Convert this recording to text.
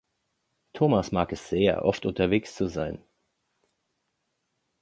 Thomas mag es sehr, oft unterwegs zu sein.